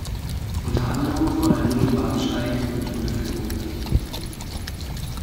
Unter anderem wurde ein Mittelbahnsteig mit Unterführung errichtet.